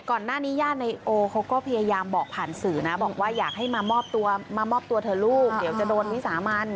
ก่อนหน้านี้ญาติในโอเขาก็พยายามบอกผ่านสื่อนะบอกว่าอยากให้มามอบตัวมามอบตัวเถอะลูกเดี๋ยวจะโดนวิสามัน